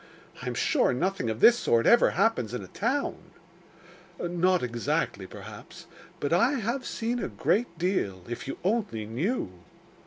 I am sure nothing of this sort ever happens in a town.' 'Not exactly, perhaps. But I have seen a great deal if you only knew!